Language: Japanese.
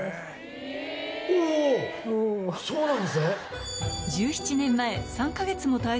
そうなんですね！